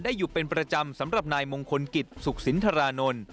อยู่เป็นประจำสำหรับนายมงคลกิจสุขสินทรานนท์